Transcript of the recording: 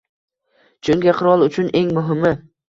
Chunki qirol uchun eng muhimi —